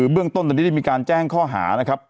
เบื้องต้นตอนนี้ได้มีการแจ้งข้อหานะครับ